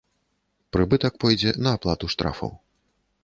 Прыбытак пойдзе на аплату штрафаў.